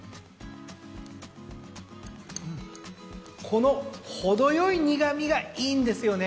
この程よい苦味がいいんですよね。